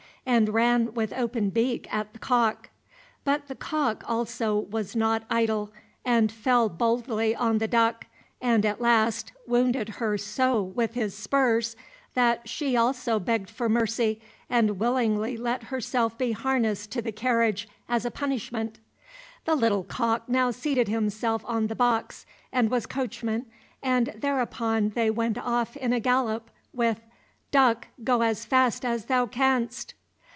and ran with open beak at the cock. But the cock also was not idle, and fell boldly on the duck, and at last wounded her so with his spurs that she also begged for mercy, and willingly let herself be harnessed to the carriage as a punishment. The little cock now seated himself on the box and was coachman, and thereupon they went off in a gallop, with "Duck, go as fast as thou canst."